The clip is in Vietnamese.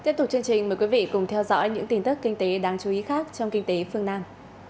mời quý vị cùng theo dõi những tin tức kinh tế đáng chú ý khác trong kinh tế phương nam